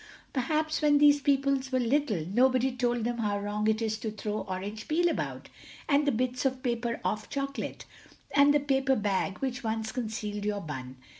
Perhaps when these people were little nobody told them how wrong it is to throw orange peel about, and the bits of paper off chocolate, and the paper bag which once concealed your bun.